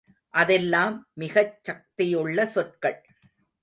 அதெல்லாம் மிகச் சக்தியுள்ள சொற்கள்.